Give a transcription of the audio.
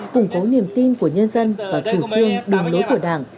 củng cố niềm tin của nhân dân và chủ trương đồng lối của đảng